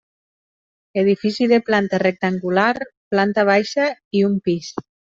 Edifici de planta rectangular, planta baixa i un pis.